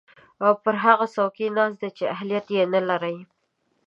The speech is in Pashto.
او پر هغه څوکۍ ناست دی چې اهلیت ېې نلري